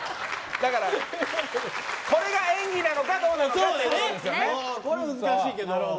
これが演技なのかどうなのかっていうことだよね。